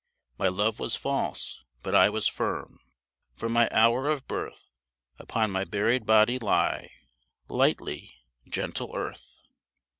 My love was false, but I was firm, From my hour of birth; Upon my buried body lie Lightly, gentle earth.